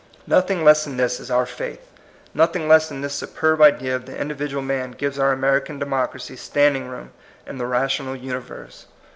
Nothing less than this is our faith. Nothing less than this superb idea of the individual man gives our Amer ican democracy standing room in the ra tional universe.